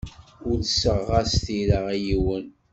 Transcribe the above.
Ulseɣ-as tira i yiwen.